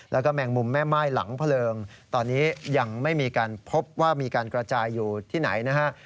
แล้วก็แมงมุมแม่ม่ายหลังเพลิงตอนนี้ยังไม่มีการพบว่ามีการกระจายอยู่ที่ไหนนะฮะ